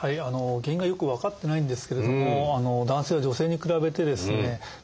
原因がよく分かってないんですけれども男性は女性に比べてですね